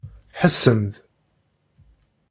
Ḥessem-d!